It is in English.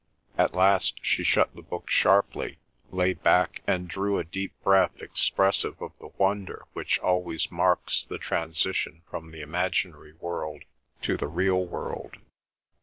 At last she shut the book sharply, lay back, and drew a deep breath, expressive of the wonder which always marks the transition from the imaginary world to the real world.